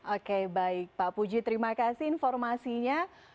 oke baik pak puji terima kasih informasinya